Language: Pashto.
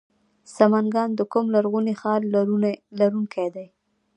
سمنګان د کوم لرغوني ښار لرونکی دی؟